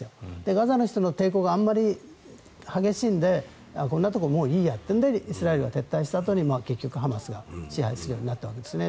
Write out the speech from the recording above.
ガザの人の抵抗があまり激しいのでこんなところもういいやというのでイスラエルが撤退したあとに結局ハマスが支配するようになったわけですね。